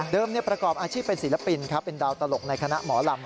ประกอบอาชีพเป็นศิลปินครับเป็นดาวตลกในคณะหมอลำ